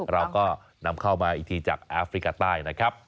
เราก็นำเข้ามาอีกทีจากแอฟริกาใต้นะครับ